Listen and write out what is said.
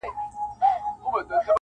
چي زندان تر آزادۍ ورته بهتر وي -